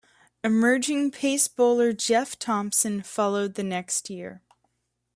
Emerging pace bowler Jeff Thomson followed the next year.